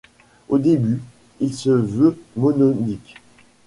Au début, il se veut monodique.